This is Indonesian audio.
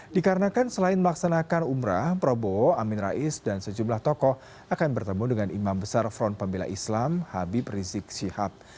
dikarenakan selain melaksanakan umrah prabowo amin rais dan sejumlah tokoh akan bertemu dengan imam besar front pembela islam habib rizik syihab